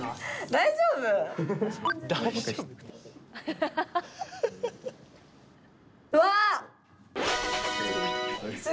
大丈夫？わ！